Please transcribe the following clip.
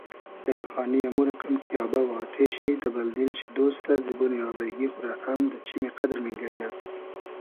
اېلخانی امو رئقئم کی آبۂ و آتې شی دۂ بئل دیل شی دۉستۂ زیبۉنی آبݷ گی خو رۂ ام دۂ چیمی قئدر مینگیرنۂ